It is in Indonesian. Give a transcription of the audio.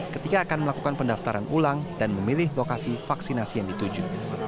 ketika akan melakukan pendaftaran ulang dan memilih lokasi vaksinasi yang dituju